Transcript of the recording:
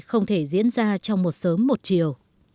không thể diễn ra trong một sớm một chiều